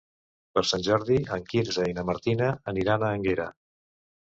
Per Sant Jordi en Quirze i na Martina aniran a Énguera.